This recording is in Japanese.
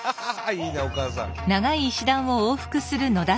いいねお母さん。